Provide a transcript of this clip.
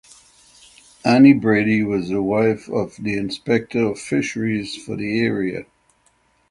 Annie Brady was the wife of the Inspector of Fisheries for the area.